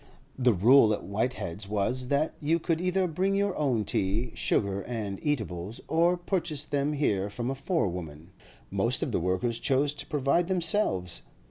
The rule at Whitehead's was, that you could either bring your own tea, sugar, and eatables, or purchase them here from a forewoman; most of the workers chose to provide themselves.